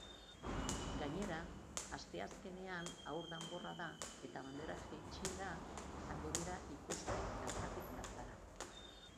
Gainera, asteazkenean haur danborrada eta bandera jaitsiera izango dira ikusgai bertatik bertara.